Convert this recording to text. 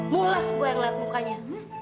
mules gua yang lihat mukanya